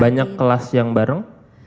banyak kelas yang bareng